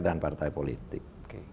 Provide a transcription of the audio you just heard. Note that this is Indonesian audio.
dan partai politik